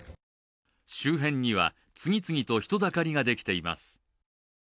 周辺には次々と人だかりができています。